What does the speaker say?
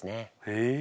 へえ。